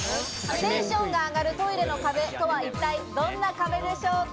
テンションが上がるトイレの壁とは、一体どんな壁でしょうか？